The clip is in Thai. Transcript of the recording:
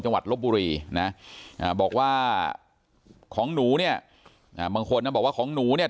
ลบบุรีนะบอกว่าของหนูเนี่ยบางคนนะบอกว่าของหนูเนี่ย